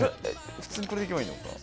普通にこれでいけばいいのかな。